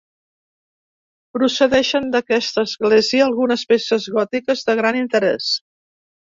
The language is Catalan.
Procedeixen d'aquesta església algunes peces gòtiques de gran interès.